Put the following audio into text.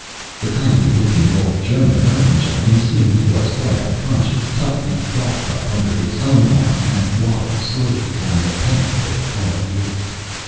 The kindly looking old German American gentleman, seeing he was quite unconscious, tucked the golf cup under his own arm, and waddled slowly down the path to the club gates.